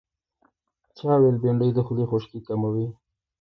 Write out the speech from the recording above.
بېنډۍ د خولې خشکي کموي